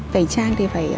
tẩy trang thì phải